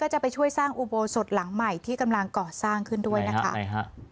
จะไปช่วยสร้างอุโบสถหลังใหม่ที่กำลังก่อสร้างขึ้นด้วยนะคะใช่ฮะ